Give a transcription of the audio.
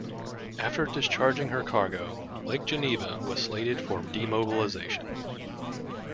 After discharging her cargo, "Lake Geneva" was slated for demobilization.